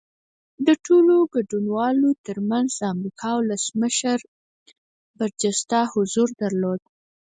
د ټولو ګډونوالو ترمنځ د امریکا ولسمشر برجسته حضور درلود